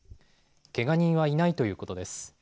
けが人はいないということです。